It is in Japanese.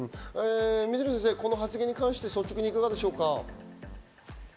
水野先生、この発言に関して率直にいかがですか？